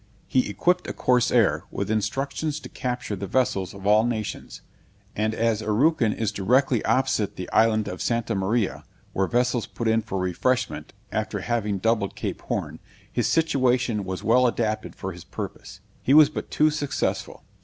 He equipped a corsair, with instructions to capture the vessels of all nations; and as Araucan is directly opposite the island of Santa Maria, where vessels put in for refreshment, after having doubled Cape Horn, his situation was well adapted for his purpose. He was but too successful.